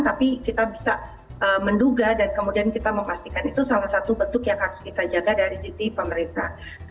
tapi kita bisa menduga dan kemudian kita memastikan itu salah satu bentuk yang harus kita jaga dari sisi pemerintah